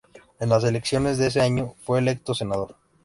En las elecciones de ese año, fue electo senador.